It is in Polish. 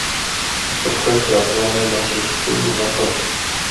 To kwestia ochrony naszych wspólnych wartości